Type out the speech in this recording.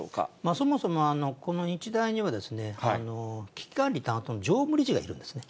そもそもこの日大には、危機管理担当の常務理事がいるんですね。